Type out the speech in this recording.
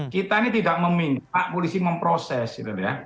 kita ini tidak meminta polisi memproses gitu ya